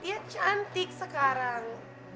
dia cantik sekarang